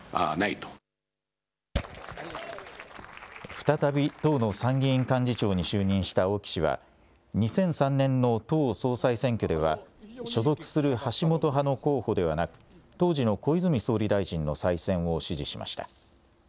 再び党の参議院幹事長に就任した青木氏は、２００３年の党総裁選挙では、所属する橋本派の候補ではなく、当時の小泉総理大臣の再選を支持しました。